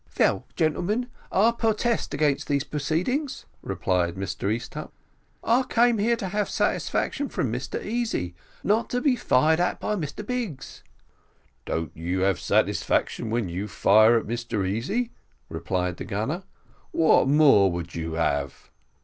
"Vel, gentlemen, I purtest against these proceedings," replied Mr Easthupp; "I came here to have satisfaction from Mr Easy, and not to be fired at by Mr Biggs." "Don't you have satisfaction when you fire at Mr Easy," replied the gunner; "what more would you have?"